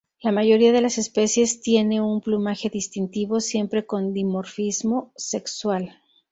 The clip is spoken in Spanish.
La mayoría de las especies tiene un plumaje distintivo, siempre con dimorfismo sexual.